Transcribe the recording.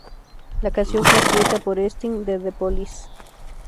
La canción fue escrita por Sting de The Police.